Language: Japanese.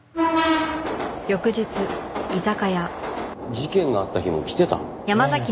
事件があった日も来てた？